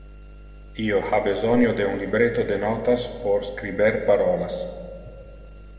Io ha besonio de un libretto de notas pro scriber parolas.